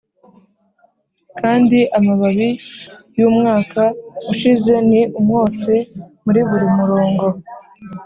kandi amababi y'umwaka ushize ni umwotsi muri buri murongo;